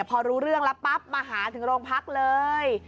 พอรู้เรื่องแล้วปั๊บมาหาถึงโรงพักเลย